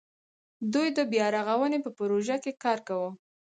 دوی د بیا رغاونې په پروژه کې کار کاوه.